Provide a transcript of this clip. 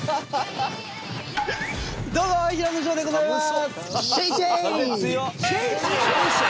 どうも平野紫耀でございます。